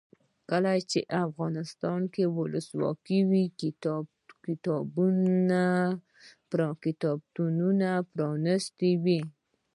کله چې افغانستان کې ولسواکي وي کتابتونونه پرانیستي وي.